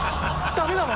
ダメなの！？